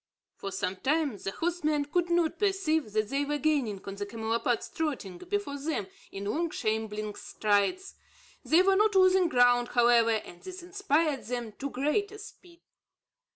For some time, the horsemen could not perceive that they were gaining on the camelopards trotting before them in long shambling strides. They were not losing ground, however, and this inspired them to greater speed.